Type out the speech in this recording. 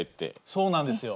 そうなんですよ。